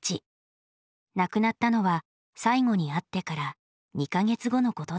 亡くなったのは最後に会ってから２か月後のことだった。